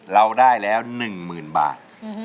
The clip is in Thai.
เราได้แล้วหนึ่งหมื่นบาท